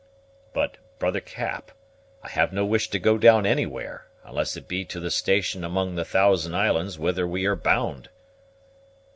"But, brother Cap, I have no wish to go down anywhere, unless it be to the station among the Thousand Islands whither we are bound."